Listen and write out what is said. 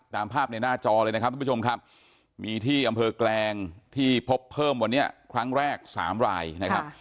ตามภาพในหน้าจอเลยนะครับทุกผู้ชมครับมีที่อำเภอแกลงที่พบเพิ่มวันนี้ครั้งแรก๓รายนะครับ